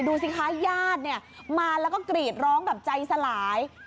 ดูสิคะญาติเนี่ยมาแล้วก็กรีดร้องแบบใจสลาย